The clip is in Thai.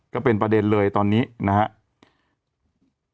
ก็เป็นประเด็นเลยตอนนี้นะครับ